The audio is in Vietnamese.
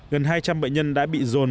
gần hai trăm linh bệnh nhân đã bị dồn